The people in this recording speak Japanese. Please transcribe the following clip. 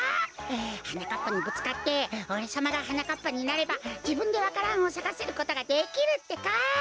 はなかっぱにぶつかっておれさまがはなかっぱになればじぶんでわか蘭をさかせることができるってか！